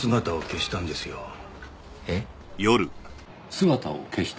姿を消した？